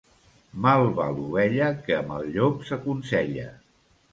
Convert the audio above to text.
Mal va l'ovella que amb el llop s'aconsella.